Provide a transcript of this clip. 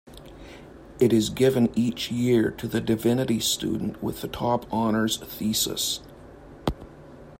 It is given each year to the Divinity student with the top Honours Thesis.